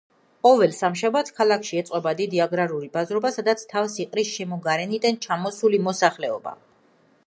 ყოველ სამშაბათს, ქალაქში ეწყობა დიდი აგრარული ბაზრობა, სადაც თავს იყრის შემოგარენიდან ჩამოსული მოსახლეობა.